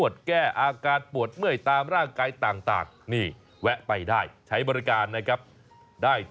จากคลิปค่าบริการนวดตัว๑๑ชั่วโมงละ๑๐๐บาท